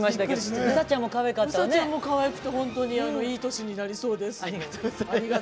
うさちゃんもかわいくていい年になりそうです。